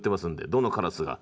どのカラスが。